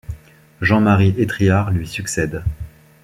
Jean-Marie Étrillard lui succède.